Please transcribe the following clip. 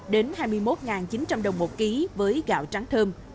một mươi chín năm trăm linh đến hai mươi một chín trăm linh đồng một ký với gạo trắng thơm